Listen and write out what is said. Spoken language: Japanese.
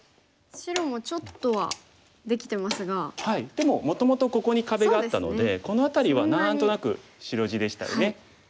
でももともとここに壁があったのでこの辺りは何となく白地でしたよね。